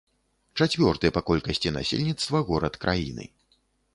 Чацвёрты па колькасці насельніцтва горад краіны.